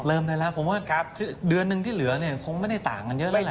ได้แล้วผมว่าเดือนหนึ่งที่เหลือเนี่ยคงไม่ได้ต่างกันเยอะแล้วล่ะ